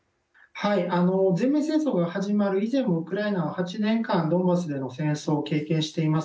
全面戦争が始まる以前もウクライナは８年間ドンバスでの戦争を経験しています。